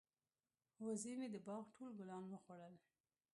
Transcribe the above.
وزې مې د باغ ټول ګلان وخوړل.